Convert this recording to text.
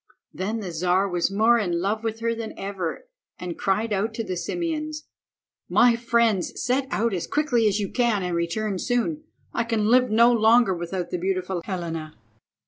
Then the Czar was more in love with her than ever, and cried out to the Simeons— "My friends, set out as quickly as you can and return soon. I can live no longer without the beautiful Helena."